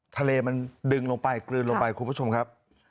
ทะเลมันดึงลงไปกลืนลงไปคุณผู้ชมครับ